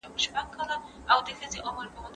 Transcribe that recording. هغه د کلمو تقطيع بيانوي.